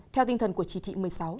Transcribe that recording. theo tinh thần của chỉ trị một mươi sáu